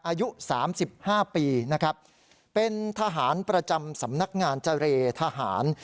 อายุ๓๕ปีนะครับเป็นทหารประจำสำนักงานเจรทหาร